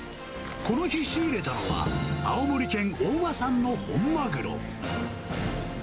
この日仕入れたのは、青森県大間産の本マグロ。